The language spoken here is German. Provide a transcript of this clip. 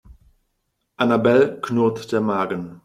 Annabel knurrt der Magen.